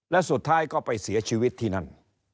และสุดท้ายก็ไปเสียชีวิตที่นั่น